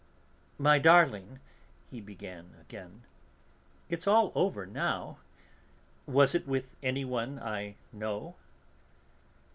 "My darling," he began again, "it's all over now; was it with anyone I know?"